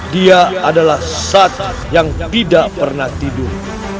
dia adalah sat yang tidak pernah tidur